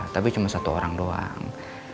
tapi cuma satu orang doang